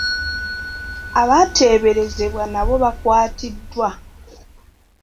Abateeberezebwa nabo baakwatiddwa.